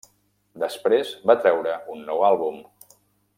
Després, va treure un nou àlbum.